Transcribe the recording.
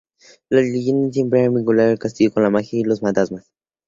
Las leyendas siempre han vinculado el castillo con la magia y los fantasmas.